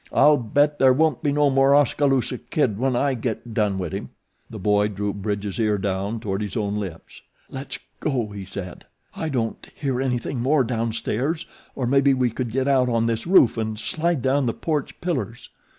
I'll bet there won't be no more Oskaloosa Kid when I get done wit him." The boy drew Bridge's ear down toward his own lips. "Let's go," he said. "I don't hear anything more downstairs, or maybe we could get out on this roof and slide down the porch pillars."